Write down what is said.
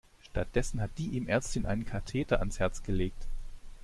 Stattdessen hat die ihm Ärztin einen Katheter ans Herz gelegt.